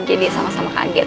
jadi sama sama kaget